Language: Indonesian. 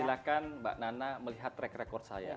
silahkan mbak nana melihat track record saya